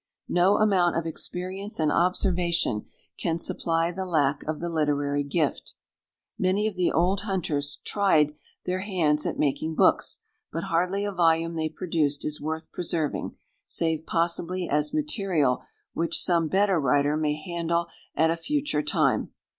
No amount of experience and observation can supply the lack of the literary gift. Many of the old hunters tried their hands at making books, but hardly a volume they produced is worth preserving, save possibly as material which some better writer may handle at a future time.